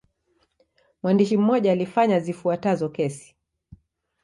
Mwandishi mmoja alifanya zifuatazo kesi.